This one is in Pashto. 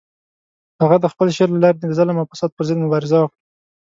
هغه د خپل شعر له لارې د ظلم او فساد پر ضد مبارزه وکړه.